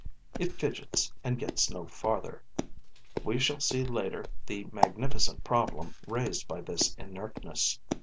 It fidgets and gets no farther. We shall see later the magnificent problem raised by this inertness.